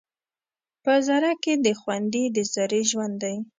په ذره کې دې خوندي د ذرې ژوند دی